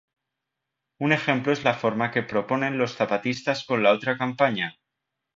Un ejemplo es la forma que proponen los Zapatistas con la Otra Campaña.